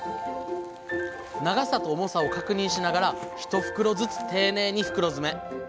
長さと重さを確認しながら１袋ずつ丁寧に袋詰め。